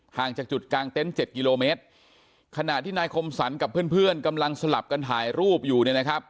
ห่างจากจุดกลางเต็นต์๗กิโลเมตรขณะที่นายคมสรรค์กับเพื่อนกำลังสลับกันถ่ายรูปอยู่